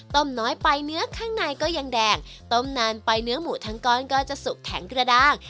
น้อยไปเนื้อข้างในก็ยังแดงต้มนานไปเนื้อหมูทั้งก้อนก็จะสุกแข็งกระด้าง